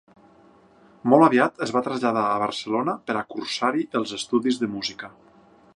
Molt aviat es va traslladar a Barcelona per a cursar-hi els estudis de música.